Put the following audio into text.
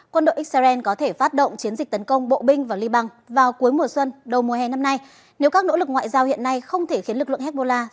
cuộc họp diễn ra vào cuối giờ chiều qua